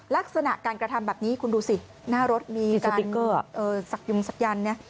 ลักษณะการกระทำแบบนี้คุณดูสิหน้ารถมีสักยุ่งสักยันต์